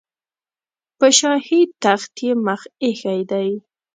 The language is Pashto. په شاهي تخت یې مخ ایښی دی.